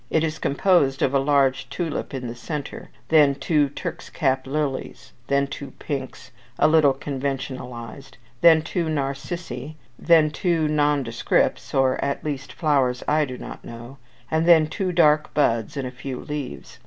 It is composed of a large tulip in the centre; then two turkscap lilies; then two pinks, a little conventionalized; then two narcissi; then two nondescripts, or, at least, flowers I do not know; and then two dark buds, and a few leaves.